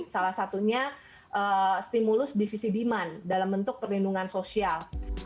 salah satunya stimulus di sisi demand dalam bentuk perlindungan sosial